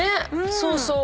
そうそう。